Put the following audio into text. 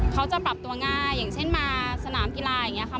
เขาจะปรับตัวง่ายอย่างเช่นมาสนามกีฬาอย่างนี้ค่ะ